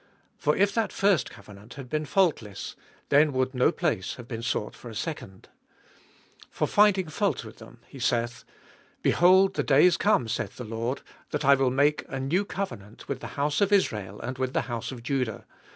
7. For if that first covenant had been faultless, then would no place have been sought for a second. 8. For finding fault with them, he salth, Behold the days come, saith the Lord, That I will make a new covenant with the house of Israel and with the house of Judah ; 9.